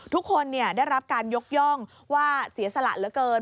ทุกคนได้รับการยกย่องว่าเสียสละเหลือเกิน